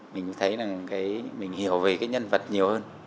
mình thấy là mình hiểu về cái nhân vật nhiều hơn